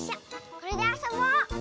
これであそぼう！